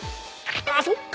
あっそっか。